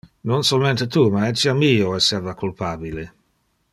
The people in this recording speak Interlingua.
Non solmente tu ma etiam io esseva culpabile.